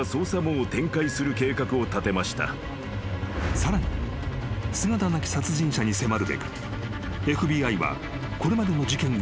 ［さらに姿なき殺人者に迫るべくＦＢＩはこれまでの事件を分析］